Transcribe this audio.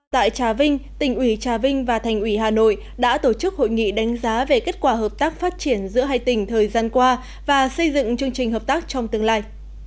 tại trà vinh tỉnh ủy trà vinh và thành ủy hà nội đã tổ chức hội nghị đánh giá về kết quả hợp tác phát triển giữa hai tỉnh thời gian qua và xây dựng chương trình hợp tác trong tương lai